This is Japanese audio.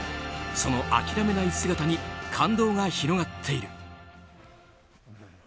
その諦めない姿に感動が広がっている。